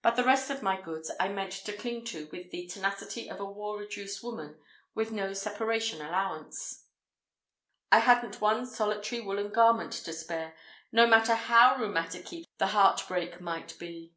But the rest of my goods I meant to cling to with all the tenacity of a war reduced woman with no separation allowance. I hadn't one solitary woollen garment to spare, no matter how rheumaticky the heartbreak might be.